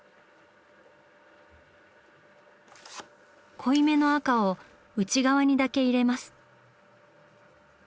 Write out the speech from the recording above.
濃い目の赤を内側にだけ入れます。